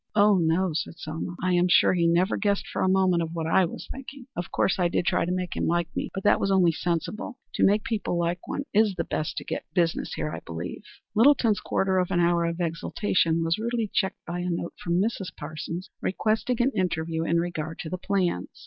"Oh, no," said Selma. "I am sure he never guessed for one moment of what I was thinking. Of course, I did try to make him like me, but that was only sensible. To make people like one is the way to get business, I believe." Littleton's quarter of an hour of exaltation was rudely checked by a note from Mrs. Parsons, requesting an interview in regard to the plans.